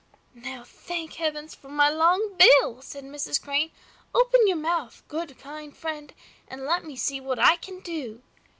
"Now, thank Heaven for my long bill!" said Mrs. Crane. "Open your mouth, good friend, and let me see what I can do."